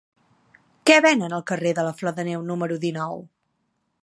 Què venen al carrer de la Flor de Neu número dinou?